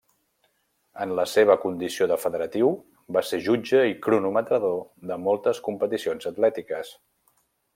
En la seva condició de federatiu, va ser jutge i cronometrador de moltes competicions atlètiques.